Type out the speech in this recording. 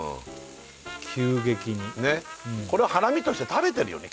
急激にねっこれはハラミとして食べてるよね